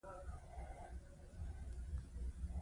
وړاندې مو د یوډین غونډۍ وه، د غونډۍ له پاسه یوه لویه.